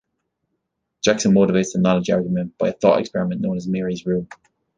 Jackson motivates the knowledge argument by a thought experiment known as Mary's room.